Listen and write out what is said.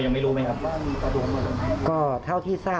เบาไปหรือเปล่าที่เราไม่แจ้งความ